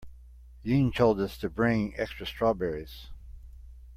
Ying told us to bring extra strawberries.